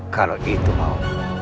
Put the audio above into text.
kalau itu mau